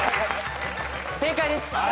正解です。